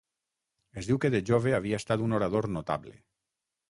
Es diu que de jove havia estat un orador notable.